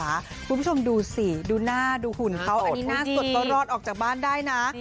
คุณผู้ชมดูสิดูหน้าดูหุ่นเขาอันนี้หน้าสดก็รอดออกจากบ้านได้นะ